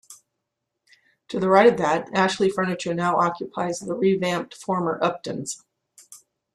To the right of that, Ashley Furniture now occupies the revamped former Uptons.